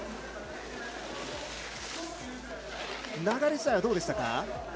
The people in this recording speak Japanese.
流れ自体はどうでしたか？